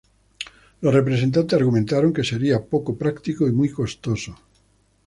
Los representantes argumentaron que sería poco práctico y muy costoso.